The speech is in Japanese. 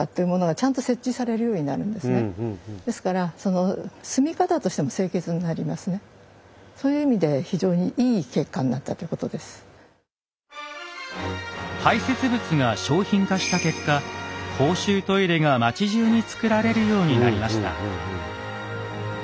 ですから排せつ物が商品化した結果公衆トイレが町じゅうにつくられるようになりました。